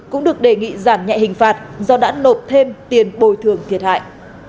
cũng được đề nghị giảm nhẹ hình phạt do đã nộp thêm tiền bồi thường thiệt hại